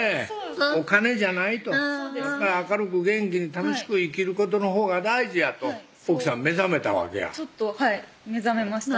お金じゃないとそうです明るく元気に楽しく生きることのほうが大事やと奥さん目覚めたわけやちょっと目覚めました